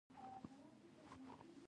مځکه له موږ سره ژوره اړیکه لري.